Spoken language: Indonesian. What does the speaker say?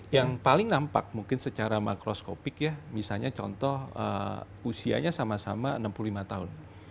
jadi yang paling nampak mungkin secara makroskopik ya misalnya contoh usianya sama sama enam puluh lima tahun